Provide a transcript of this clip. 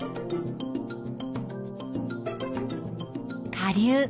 下流。